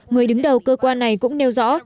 người đứng đầu cơ quan này cũng nêu rõ